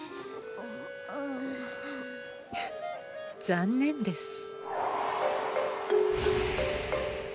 残念です。